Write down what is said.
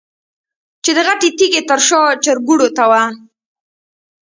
چې د غټې تيږې تر شا چرګوړو ته وه.